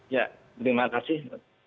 ya terima kasih